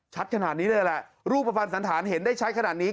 ขนาดนี้เลยแหละรูปภัณฑ์สันธารเห็นได้ชัดขนาดนี้